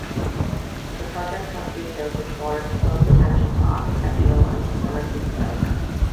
The project has been noted for its close attention to architectural and historic detail.